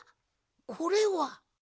これは。